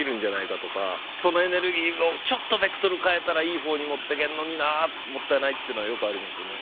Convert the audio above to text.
そのエネルギーをちょっとベクトル変えたらいい方に持ってけんのになあもったいないっていうのはよくありますよね。